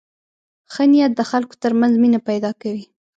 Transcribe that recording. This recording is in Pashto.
ښه نیت د خلکو تر منځ مینه پیدا کوي.